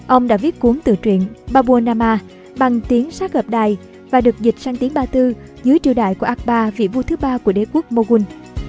ông đã viết cuốn tựa truyện babur nama bằng tiếng sát gợp đài và được dịch sang tiếng ba tư dưới triều đại của akbar vị vua thứ ba của đế quốc mughun